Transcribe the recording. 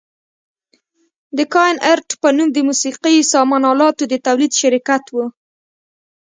د کاین ارټ په نوم د موسقي سامان الاتو د تولید شرکت و.